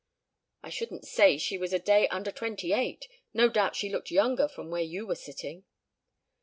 "I shouldn't say she was a day under twenty eight. No doubt she looked younger from where you were sitting."